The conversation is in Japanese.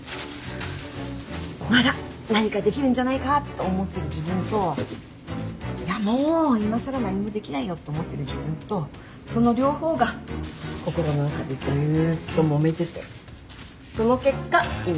まだ何かできるんじゃないかと思ってる自分といやもういまさら何もできないよと思ってる自分とその両方が心の中でずっともめててその結果今ここにいる。